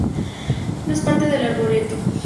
No es parte del arboreto.